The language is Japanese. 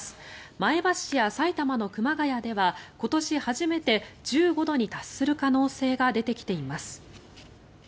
前橋や埼玉の熊谷では今年初めて１５度に達する可能性が出てきています。